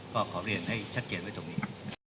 ก็ขอเรียนให้ชัดเจนไว้ตรงนี้